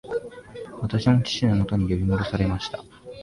私も父のもとに呼び戻されました